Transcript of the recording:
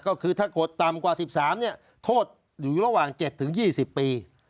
ก็คือถ้ากระทำกว่า๑๓เนี่ยโทษอยู่ระหว่าง๗ถึง๒๐ปี